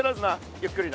ゆっくりな。